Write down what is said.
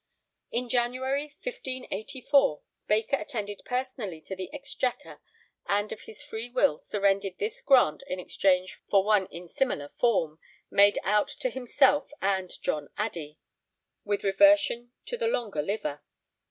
In January 1584 Baker attended personally at the Exchequer and of his free will surrendered this grant in exchange for one in similar form made out to himself and John Addey with reversion to the longer liver.